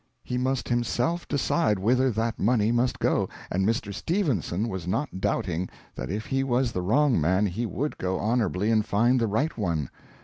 He must himself decide whither that money must go and Mr. Stephenson was not doubting that if he was the wrong man he would go honourably and find the right one.